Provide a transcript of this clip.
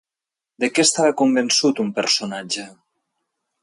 De què estava convençut un personatge?